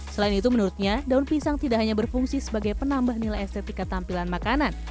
selain itu menurutnya daun pisang tidak hanya berfungsi sebagai penambah nilai estetika tampilan makanan